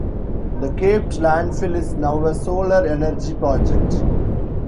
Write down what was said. The capped landfill is now a solar energy project.